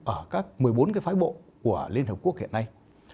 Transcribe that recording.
ở các một mươi bốn cái phái bộ của liên hợp quốc hiện nay